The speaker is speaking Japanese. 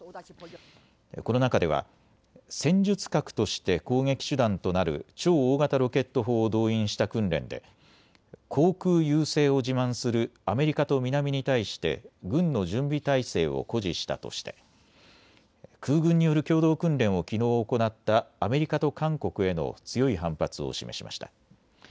この中では戦術核として攻撃手段となる超大型ロケット砲を動員した訓練で航空優勢を自慢するアメリカと南に対して軍の準備態勢を誇示したとして空軍による共同訓練をきのう行ったアメリカと韓国への強い反発を示しました。